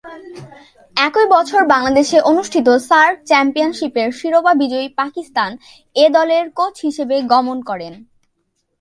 একই বছর বাংলাদেশে অনুষ্ঠিত সার্ক চ্যাম্পিয়নশীপের শিরোপা বিজয়ী পাকিস্তান এ দলের কোচ হিসেবে গমন করেন।